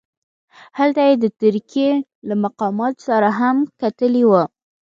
هلته یې د ترکیې له مقاماتو سره هم کتلي وه.